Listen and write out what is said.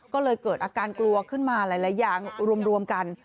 ก็เลยเกิดอาการกลัวขึ้นมาหลายอย่างรวมกัน